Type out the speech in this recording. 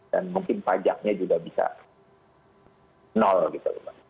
dan mungkin pajaknya juga bisa nol gitu